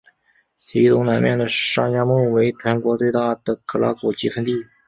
其东南面的沙加穆为全国最大的可拉果集散地。